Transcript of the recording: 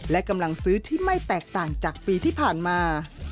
และกำลังซื้อที่ไม่แตกต่างจากปีที่ผ่านมา